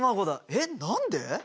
えっ何で！？